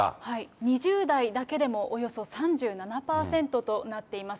２０代だけでもおよそ３７％となっています。